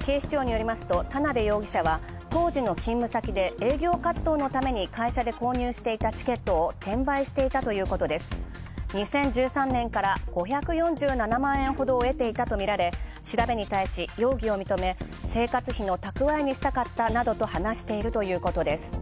警視庁によると、田邉容疑者は当時の勤務先で営業活動のために会社で購入していたチケットを転売していたということで２０１３年から５４７万円ほどを得ていたと見られ調べに対し容疑を認め、生活費のたくわえにしたかったなどと話しているということです。